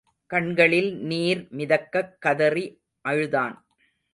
கண்களில் நீர் மிதக்கக் கதறி அழுதான்.